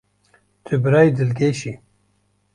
Tu birayê dilgeş î.